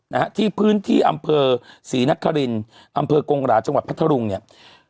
ค่ะที่พื้นที่อัมเภอศรีนักษรินศ์อัมเภอกรงราชจังหวัดพระทะลุงเนี่ย